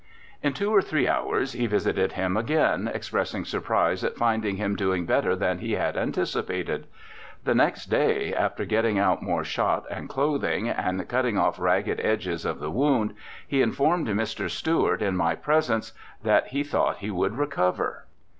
In two or three hours he visited him again, expressing surprise at finding him doing better than he had anti cipated. The next day, after getting out more shot and clothing, and cutting off ragged edges of the wound, he informed Mr. Stuart, in my presence, that he thought he would recover."